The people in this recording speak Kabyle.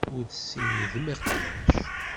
Ur tessiridem iqbac.